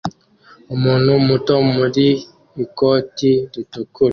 umuntu muto mu ikoti ritukura